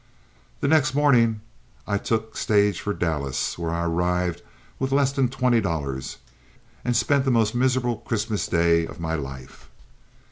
The next morning I took stage for Dallas, where I arrived with less than twenty dollars, and spent the most miserable Christmas day of my life.